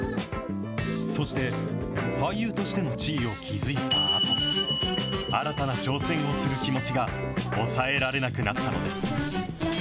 そして、俳優としての地位を築いたあと、新たな挑戦をする気持ちが抑えられなくなったのです。